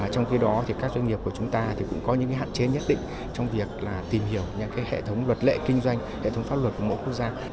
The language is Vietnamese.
trong khi đó các doanh nghiệp của chúng ta cũng có những hạn chế nhất định trong việc tìm hiểu những hệ thống luật lệ kinh doanh hệ thống pháp luật của mỗi quốc gia